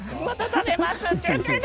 食べます。